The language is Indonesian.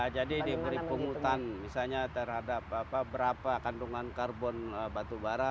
jadi diberi penghutang misalnya terhadap berapa kandungan carbon batubara